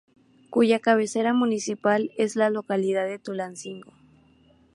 Cuya cabecera municipal es la localidad de Tulancingo.